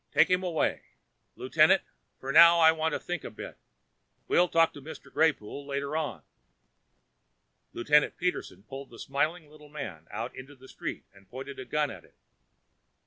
Take him away, Lieutenant, for now. I want to think a bit. We'll talk to Mr. Greypoole later on." Lieutenant Peterson pulled the smiling little man out into the street and pointed a gun at him.